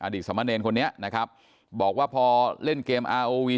สมเนรคนนี้นะครับบอกว่าพอเล่นเกมอาโอวี